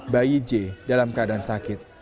bayi j dalam keadaan sakit